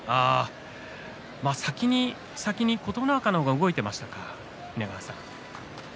先に琴ノ若の方が動いてましたか？